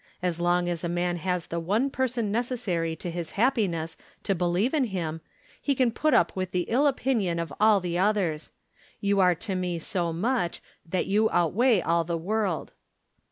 As long as a man has the one person necessary to his happiness to believe in him, he can put up with the ill opinion of all the others. You are to me so much that you outweigh all the world.